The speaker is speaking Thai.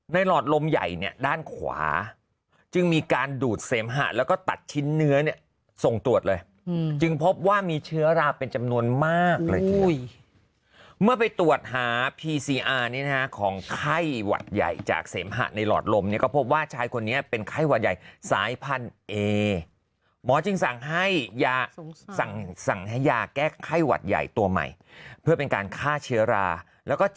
หลอดลมใหญ่เนี่ยด้านขวาจึงมีการดูดเสมหะแล้วก็ตัดชิ้นเนื้อเนี่ยส่งตรวจเลยจึงพบว่ามีเชื้อราเป็นจำนวนมากเลยเมื่อไปตรวจหาพีซีอาร์นี้นะฮะของไข้หวัดใหญ่จากเสมหะในหลอดลมเนี่ยก็พบว่าชายคนนี้เป็นไข้หวัดใหญ่สายพันธุ์เอหมอจึงสั่งให้ยาสั่งให้ยาแก้ไข้หวัดใหญ่ตัวใหม่เพื่อเป็นการฆ่าเชื้อราแล้วก็จะ